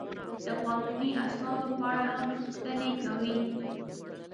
د قانوني اسنادو په اړه هم پوښتنې کوي.